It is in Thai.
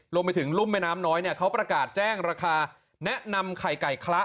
รวมไปถึงรุ่มแม่น้ำน้อยเนี่ยเขาประกาศแจ้งราคาแนะนำไข่ไก่คละ